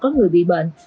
người bị bệnh